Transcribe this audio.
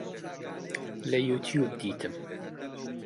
لە یوتیوب دیتم